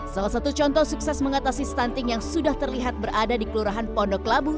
salah satu contoh sukses mengatasi stunting yang sudah terlihat berada di kelurahan pondok labu